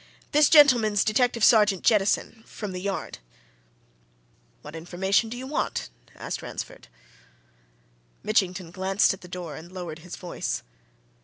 This gentleman's Detective Sergeant Jettison, from the Yard." "What information do you want?" asked Ransford. Mitchington glanced at the door and lowered his voice.